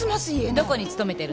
どこに勤めてるの？